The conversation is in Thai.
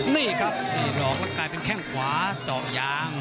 นี่ครับตีรอบก็กลายเป็นแค่งขวาต่อยาง